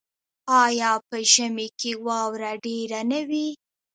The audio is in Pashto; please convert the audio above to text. آیا په ژمي کې واوره ډیره نه وي؟